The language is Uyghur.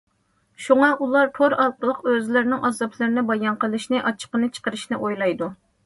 شۇڭا ئۇلار تور ئارقىلىق ئۆزلىرىنىڭ ئازابلىرىنى بايان قىلىشنى، ئاچچىقىنى چىقىرىشنى ئويلايدۇ.